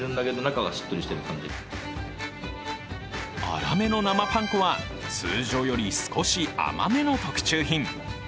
粗めの生パン粉は通常より少し甘めの特注品。